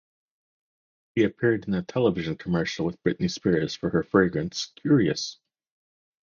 He appeared in a television commercial with Britney Spears for her fragrance, Curious.